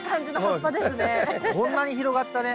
こんなに広がったね。